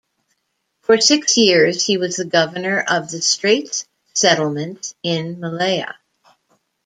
For six years, he was the governor of the Straits Settlements in Malaya.